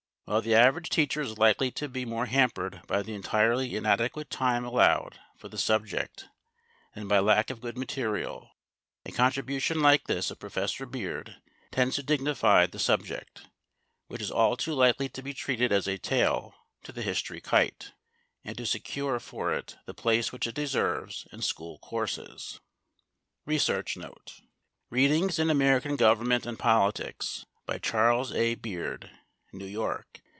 While the average teacher is likely to be more hampered by the entirely inadequate time allowed for the subject than by lack of good material, a contribution like this of Professor Beard tends to dignify the subject, which is all too likely to be treated as a tail to the history kite, and to secure for it the place which it deserves in school courses. ["Readings in American Government and Politics." By Charles A. Beard. New York.